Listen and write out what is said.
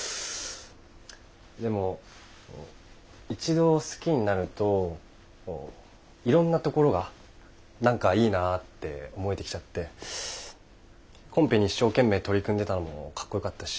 でも一度好きになるといろんなところが何かいいなって思えてきちゃってコンペに一生懸命取り組んでたのもかっこよかったし。